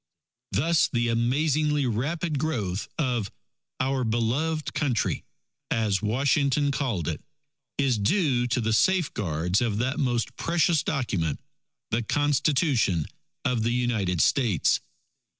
Thus the amazingly rapid growth of "Our Beloved Country," as Washington called it, is due to the safeguards of that most precious Document, the Constitution of the United States.